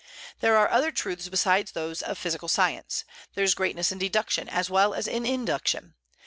There are other truths besides those of physical science; there is greatness in deduction as well as in induction.